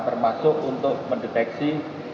termasuk untuk mendeteksi